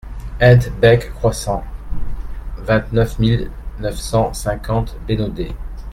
Hent Bec Kroissen, vingt-neuf mille neuf cent cinquante Bénodet